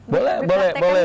boleh boleh boleh